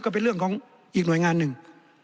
ก็เป็นเรื่องของอีกหน่วยงานหนึ่ง